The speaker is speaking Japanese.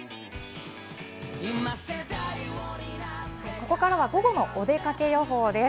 ここからはゴゴのお出かけ予報です。